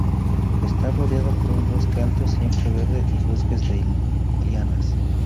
Está rodeada por un bosque alto siempreverde y bosques de lianas.